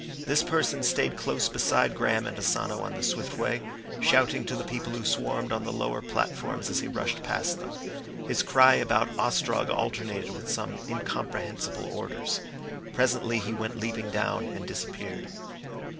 This person stayed close beside Graham and Asano on the swift way, shouting to the people who swarmed on the lower platforms as he rushed past them. His cry about Ostrog alternated with some incomprehensible orders. Presently he went leaping down and disappeared.